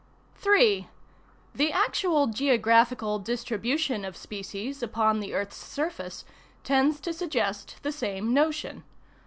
3. The actual geographical distribution of species upon the earth's surface tends to suggest the same notion.